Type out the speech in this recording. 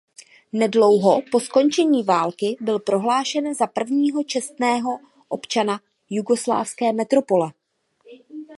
Nedlouho po skončení války byl prohlášen za prvního čestného občana jugoslávské metropole.